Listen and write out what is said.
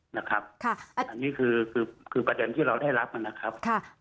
อันนี้คือประเด็นที่เราได้รับนะครับ